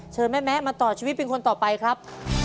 แม่แมะมาต่อชีวิตเป็นคนต่อไปครับ